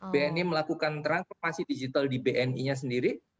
bni melakukan transformasi digital di bni nya sendiri